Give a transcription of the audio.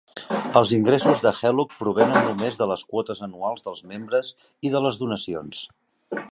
Els ingressos de Hellug provenen només de les quotes anuals dels membres i de les donacions.